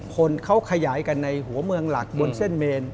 คนเขาขยายกันในหัวเมืองหลักบนเส้นเมน